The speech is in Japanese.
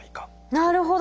なるほど。